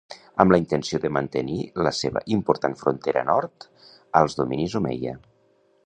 Amb la intenció de mantenir la seva important frontera nord als dominis Omeia.